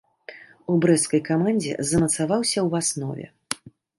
У брэсцкай камандзе замацаваўся ў аснове.